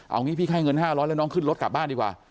เอางี้พี่ให้เงิน๕๐๐แล้วน้องขึ้นรถกลับบ้านดีกว่า